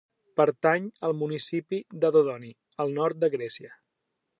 Pertany al municipi de Dodoni, al nord de Grècia.